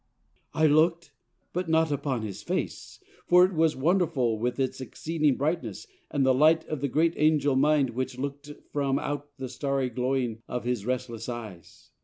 I look'd, but not Upon his face, for it was wonderful With its exceeding brightness, and the light Of the great angel mind which look'd from out The starry glowing of his restless eyes.